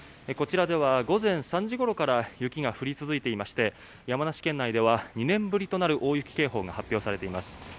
こちらでは午前３時ごろから雪が降り続いていまして山梨県内では２年ぶりとなる大雪警報が出ています。